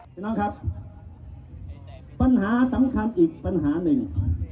พี่น้องครับปัญหาสำคัญอีกปัญหาหนึ่ง